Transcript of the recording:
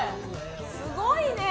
すごいね。